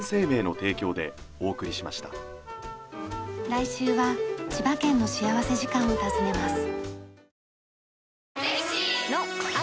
来週は千葉県の幸福時間を訪ねます。